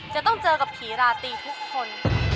จะต้องเจอกับผีราตรีทุกคน